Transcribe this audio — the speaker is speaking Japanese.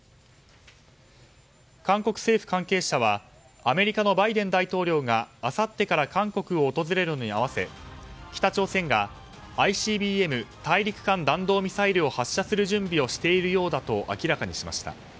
韓国政府関係者はアメリカのバイデン大統領があさってから韓国を訪れるのに合わせ北朝鮮がＩＣＢＭ・大陸間弾道ミサイルを発射する準備をしているようだと明らかにしました。